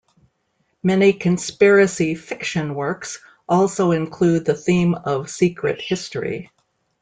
Many conspiracy fiction works also include the theme of secret history.